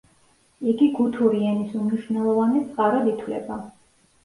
იგი გუთური ენის უმნიშვნელოვანეს წყაროდ ითვლება.